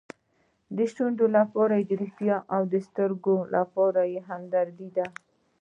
د شونډو لپاره ریښتیا او د سترګو لپاره همدردي ده.